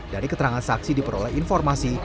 dari keterangan saksi diperoleh informasi